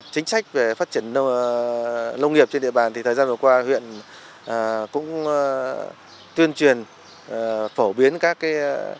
chính sách về phát triển nông nghiệp trên địa bàn thì thời gian vừa qua huyện cũng tuyên truyền phổ biến các